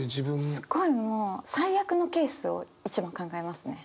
すごいもう最悪のケースを一番考えますね。